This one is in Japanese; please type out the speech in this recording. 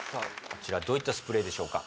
こちらどういったスプレーでしょうか？